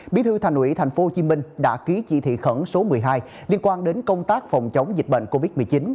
bí thư thành ủy tp hcm đã ký chỉ thị khẩn số một mươi hai liên quan đến công tác phòng chống dịch bệnh covid một mươi chín